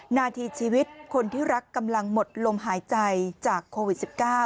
นาทีชีวิตคนที่รักกำลังหมดลมหายใจจากโควิด๑๙